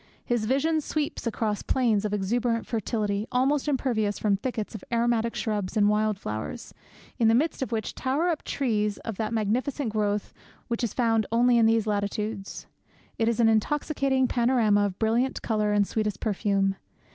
His vision sweeps across plains of exuberant fertility, almost impervious from thickets of aromatic shrubs and wild flowers, in the midst of which tower up trees of that magnificent growth which is found only in these latitudes. It is an intoxicating panorama of brilliant colour and sweetest perfume.